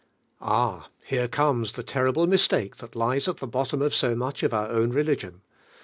Ah! here comes the terrible mistake i hat lies at i he bottom i>f so much of our own religion.